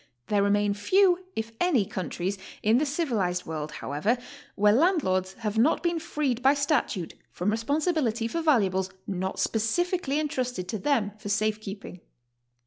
There remain few, if any, countries in the civilized world, however, where landlords have not been freed by statute from responsibility for' valuables not specifically en trusted to them for safe keeping.